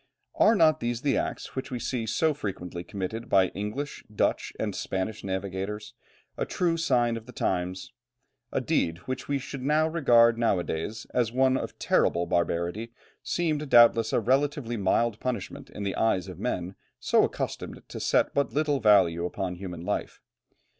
Are not these acts, which we see so frequently committed by English, Dutch, and Spanish navigators, a true sign of the times? A deed which we should regard now a days as one of terrible barbarity seemed, doubtless, a relatively mild punishment in the eyes of men so accustomed to set but little value upon human life.